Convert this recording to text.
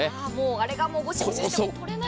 あれがゴシゴシしても取れない。